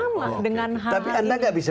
nah sama dengan hal ini tapi anda nggak bisa